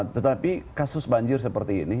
tetapi kasus banjir seperti ini